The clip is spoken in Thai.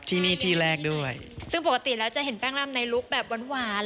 ที่นี่ที่แรกด้วยซึ่งปกติแล้วจะเห็นแป้งรำในลุคแบบหวานหวาน